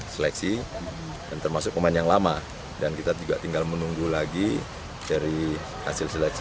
seleksi dan termasuk pemain yang lama dan kita juga tinggal menunggu lagi dari hasil seleksi